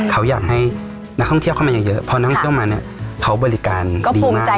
เขาอยากให้นักท่องเที่ยวเข้ามาเยอะพอนักท่องเที่ยวมาเนี่ยเขาบริการดีมาก